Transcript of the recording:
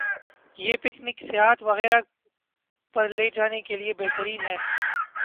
۔ یہ پکنک ، سیاحت وغیرہ پرلے جانے کے لئے بہترین ہے۔